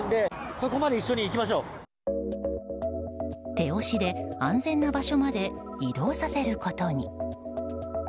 手押しで安全な場所まで移動させることに。